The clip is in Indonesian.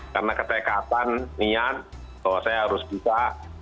karena ketekatan niat bahwa saya harus bisa